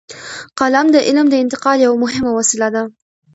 قلم د علم د انتقال یوه مهمه وسیله ده.